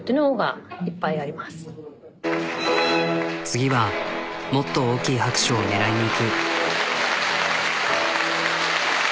次はもっと大きい拍手を狙いにいく。